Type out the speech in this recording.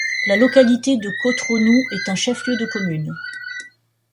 La localité de Kotronou est un chef-lieu de commune.